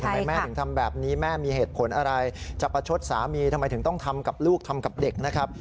แม่ถึงทำแบบนี้แม่มีเหตุผลอะไรจะประชดสามีทำไมถึงต้องทำกับลูกทำกับเด็กนะครับ